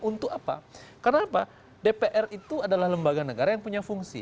untuk apa karena apa dpr itu adalah lembaga negara yang punya fungsi